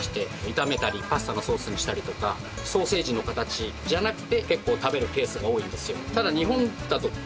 炒めたりパスタのソースにしたりとかソーセージの形じゃなくて結構食べるケースが多いんですよ。